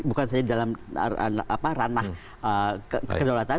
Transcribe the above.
bukan saja dalam ranah kedaulatan